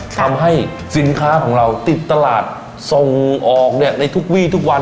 ทำให้สินค้าของเราติดตลาดส่งออกในทุกวีทุกวัน